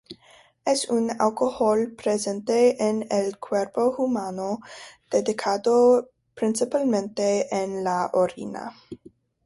Es un alcohol presente en el cuerpo humano, detectado principalmente en la orina.